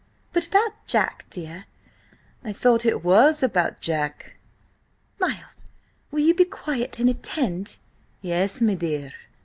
But about Jack, dear—" "I thought it was about Jack?" "Miles, will you be quiet and attend?" "Yes, m'dear."